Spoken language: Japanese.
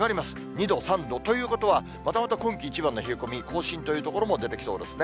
２度、３度ということは、またまた今季一番の冷え込み更新という所も出てきそうですね。